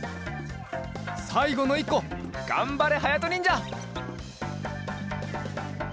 さいごのいっこがんばれはやとにんじゃ。